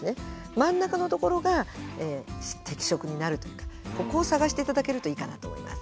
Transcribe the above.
真ん中のところが適職になるというかここを探して頂けるといいかなと思います。